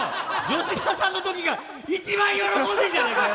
吉田さんの時が一番喜んでんじゃねえかよ！